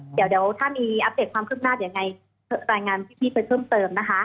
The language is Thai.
เดี๋ยวเดี๋ยวถ้ามีความคึกนาศยังไงรายงานพี่พี่ไปเพิ่มเติมนะคะ